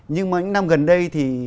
nhưng mà những năm gần đây thì